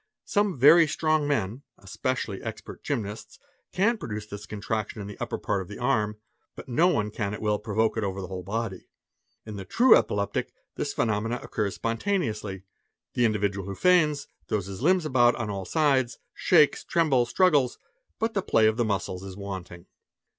Some very strong" men, especially expert gymnasts, can produce this contraction in the upper part of the arm, but no one can at will provoke it over the whole body ; in the true epileptic this phenomenon occurs spontaneously. The individual who feigns, throws his lmbs about on all sides, shakes, trembles, struggles, but the play of the muscles is wanting.